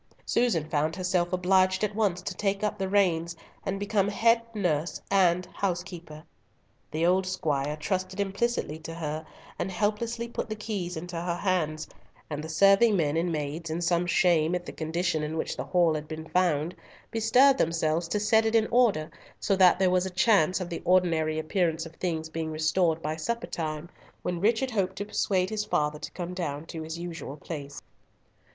Susan found herself obliged at once to take up the reins, and become head nurse and housekeeper. The old squire trusted implicitly to her, and helplessly put the keys into her hands, and the serving men and maids, in some shame at the condition in which the hall had been found, bestirred themselves to set it in order, so that there was a chance of the ordinary appearance of things being restored by supper time, when Richard hoped to persuade his father to come down to his usual place.